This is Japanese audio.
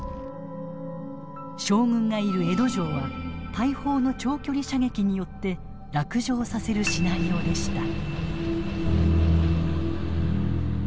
将軍がいる江戸城は大砲の長距離射撃によって落城させるシナリオでした。